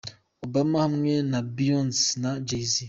Obama hamwe na Beyonce na Jay Z.